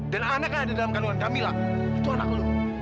dan anak yang ada dalam kandungan kamila itu anak lo